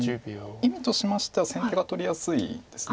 意味としましては先手が取りやすいです。